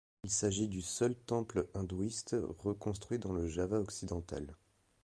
Il s'agit du seul temple hindouiste reconstruit dans le Java occidental.